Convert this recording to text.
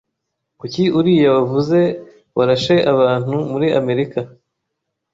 kuki uriya wavuze warashe abantu muri America